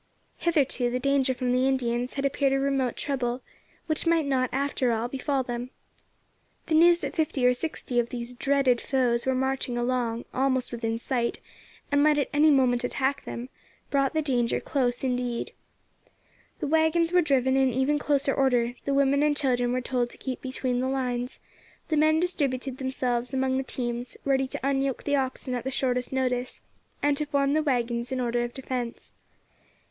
Hitherto the danger from Indians had appeared a remote trouble, which might not, after all, befall them. The news that fifty or sixty of these dreaded foes were marching along, almost within sight, and might at any moment attack them, brought the danger close indeed. The waggons were driven in even closer order; the women and children were told to keep between the lines; the men distributed themselves among the teams, ready to unyoke the oxen at the shortest notice, and to form the waggons in order of defence.